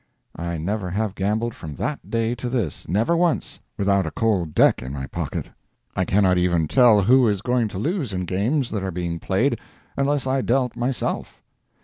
I never have gambled from that day to this—never once—without a "cold deck" in my pocket. I cannot even tell who is going to lose in games that are being played unless I dealt myself.